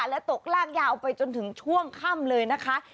และตกลากยาวไปจนถึงช่วงค่ำเลยนะคะ